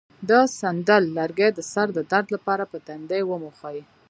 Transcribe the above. د سندل لرګی د سر د درد لپاره په تندي ومښئ